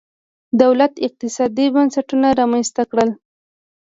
دولت اقتصادي بنسټونه رامنځته کړل.